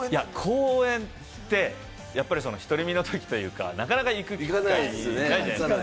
公園って、独り身のときってなかなか行く機会ないじゃないですか。